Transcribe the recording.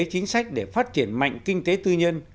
chính sách để phát triển mạnh kinh tế tư nhân